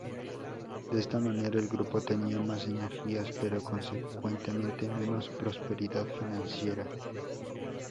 De esta manera el grupo tenía más energías, pero, consecuentemente, menos prosperidad financiera.